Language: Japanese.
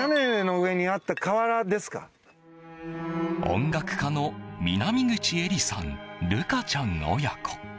音楽家の南口恵里さん竜歌ちゃん親子。